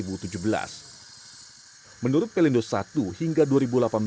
pembangunan fisik tahap kuala tanjung adalah pelabuhan yang berhasil mengembangkan perusahaan perusahaan tersebut